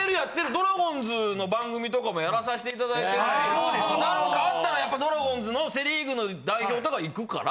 ドラゴンズの番組とかもやらさせていただいてるしなんかあったらやっぱドラゴンズのセ・リーグの代表とか行くから。